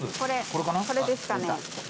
これですかね。